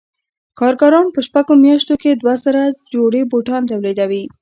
کارګران په شپږو میاشتو کې دوه زره جوړې بوټان تولیدوي